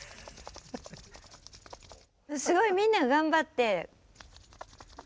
すごいみんな頑張って。